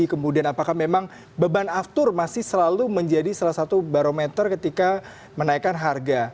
kemudian apakah memang beban aftur masih selalu menjadi salah satu barometer ketika menaikkan harga